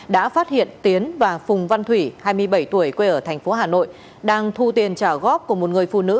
đã phát hiện tiến và phùng văn thủy hai mươi bảy tuổi quê ở thành phố hà nội đang thu tiền trả góp của một người phụ nữ